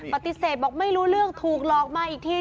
ปฏิเสธบอกไม่รู้เรื่องถูกหลอกมาอีกที